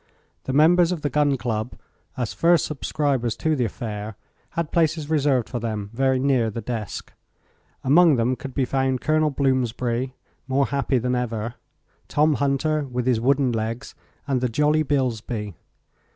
The members of the Gun Club, as first subscribers to the affair, had places reserved for them very near the desk. Among them could be found Col. Bloomsberry, more happy than ever; Tom Hunter, with his wooden legs, and the jolly Bilsby.